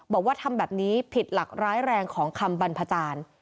บอกว่าทำแบบนี้ผิดหลักร้ายแรงของคำบรรพจารย์